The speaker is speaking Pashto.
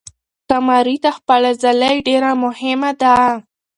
قمري ته خپله ځالۍ ډېره مهمه ده.